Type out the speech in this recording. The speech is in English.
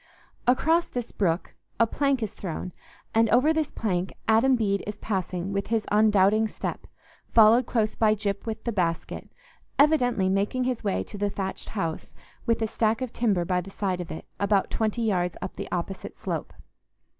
Across this brook a plank is thrown, and over this plank Adam Bede is passing with his undoubting step, followed close by Gyp with the basket; evidently making his way to the thatched house, with a stack of timber by the side of it, about twenty yards up the opposite slope.